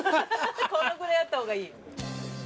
このぐらいあった方がいい。